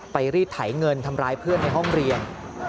รีดไถเงินทำร้ายเพื่อนในห้องเรียน